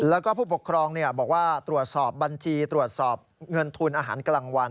แล้วก็ผู้ปกครองบอกว่าตรวจสอบบัญชีตรวจสอบเงินทุนอาหารกลางวัน